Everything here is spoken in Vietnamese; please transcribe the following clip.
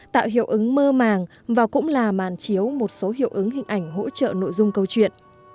tạo hiệu ứng mơ màng và cũng là màn chiếu một số hiệu ứng hình ảnh hỗ trợ nội dung câu chuyện